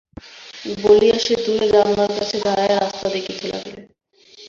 বলিয়া সে দূরে জানালার কাছে দাঁড়াইয়া রাস্তা দেখিতে লাগিল।